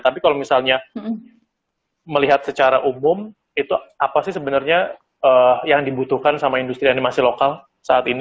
tapi kalau misalnya melihat secara umum itu apa sih sebenarnya yang dibutuhkan sama industri animasi lokal saat ini